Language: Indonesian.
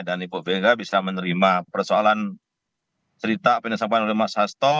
dan ibu mega bisa menerima persoalan cerita penyesapan oleh mas hasto